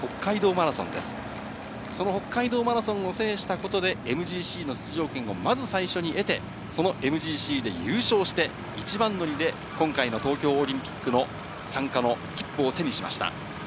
マラソンを制したことで、ＭＧＣの出場権を、まず最初に得て、そのＭＧＣで優勝して、一番乗りで今回の東京オリンピックの参加の切符を手にしました。